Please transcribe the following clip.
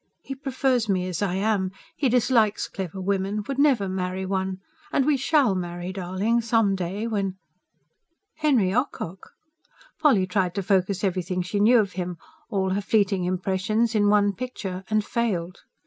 He prefers me as I am. He dislikes clever women ... would never marry one. And we SHALL marry, darling, some day when ..." Henry Ocock! Polly tried to focus everything she knew of him, all her fleeting impressions, in one picture and failed.